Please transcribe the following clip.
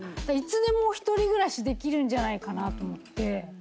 いつでも１人暮らしできるんじゃないかなと思って。